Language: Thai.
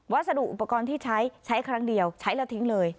สดุอุปกรณ์ที่ใช้ใช้ครั้งเดียวใช้แล้วทิ้งเลย